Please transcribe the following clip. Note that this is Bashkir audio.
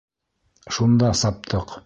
Шунда саптыҡ.